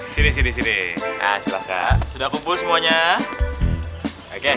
sini sini sini silahkan sudah kumpul semuanya